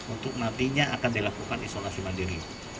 untuk nantinya akan dilakukan isolasi mandiri